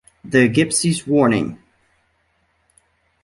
"The Gypsy's Warning".